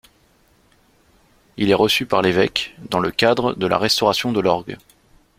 Il est reçu par l'évêque, dans le cadre de la restauration de l'orgue.